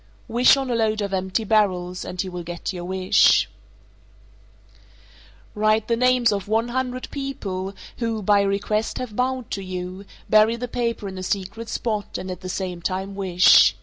449. Wish on a load of empty barrels, and you will get your wish. Peabody, Mass. 450. Write the names of one hundred people who (by request) have bowed to you, bury the paper in a secret spot, and at the same time wish.